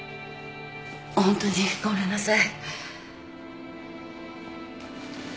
ホントにごめんなさい。